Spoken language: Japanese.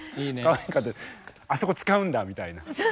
あそこ使うんだみたいな。